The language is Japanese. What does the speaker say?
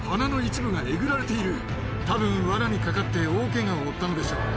たぶんわなにかかって大ケガを負ったのでしょう。